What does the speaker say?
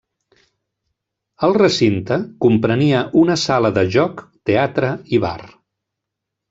El recinte comprenia una sala de joc, teatre i bar.